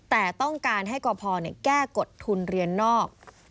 แต่ต้องการให้กรพแก้กฎทุนเรียนนอก